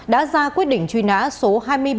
đã ra quyết định truy nã số hai mươi ba